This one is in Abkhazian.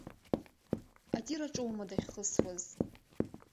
Атир аҿоума дахьхысуаз?